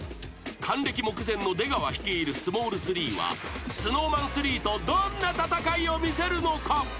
［還暦目前の出川率いるスモール３はＳｎｏｗＭａｎ３とどんな戦いを見せるのか］